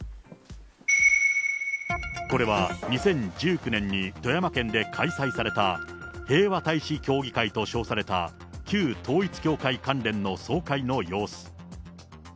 これは２０１９年に富山県で開催された平和大使協議会と称された、旧統一教会関連の総会の様子。